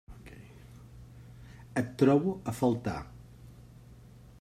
Et trobo a faltar.